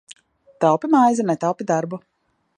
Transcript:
Taupi maizi, netaupi darbu!